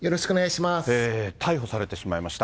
逮捕されてしまいました。